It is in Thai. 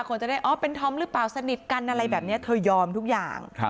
คนจะได้อ๋อเป็นธอมหรือเปล่าสนิทกันอะไรแบบนี้เธอยอมทุกอย่าง